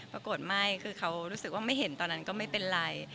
ปรากฏไม่คือเขารู้สึกว่าไม่เห็นตอนนั้นก็ไม่เป็นไร